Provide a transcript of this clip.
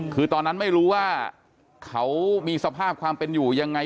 คือตอนนั้นไม่รู้ว่าเขามีสภาพความเป็นอยู่ยังไง